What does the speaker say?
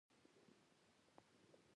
شیندلي پسرلي باندې د ګلو بارانونه